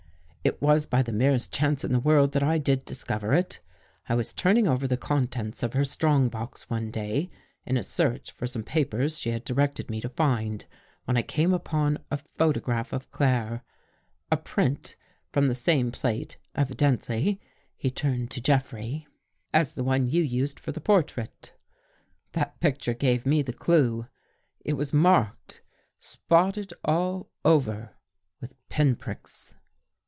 " It was by the merest chance in the world that I did discover it. I was turning over the contents of her strong box one day, in a search for some papers she had directed me to find, when I came upon a photograph of Claire — a print from the same plate, evidently," he turned to Jeffrey, " as 189 THE GHOST GIRL the one you used for the portrait. That picture gave me the clue. It was marked, spotted all over, with pin pricks."